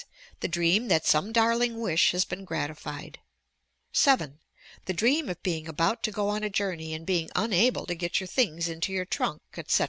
The dream that some darling wish has been grati fied, 7. The dream of being about to go on a journey and being unable to get your things into your trunk, ete.